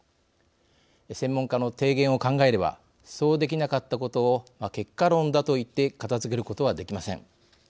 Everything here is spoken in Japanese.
専門家の提言を考えればそうできなかったことを結果論だと言って片づけることはできません。